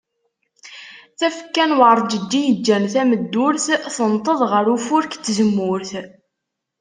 Tafekka n werǧeǧǧi yeǧǧan tameddurt tenteḍ ɣer ufurek n tzemmurt.